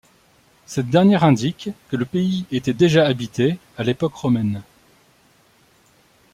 Cette dernière indique que le pays était déjà habité à l'époque romaine.